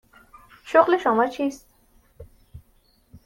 شغل شما چیست؟